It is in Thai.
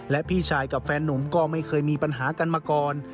และพี่ชายกับแฟนนุ่มก็ไม่เคยมีปัญหากันมาก่อน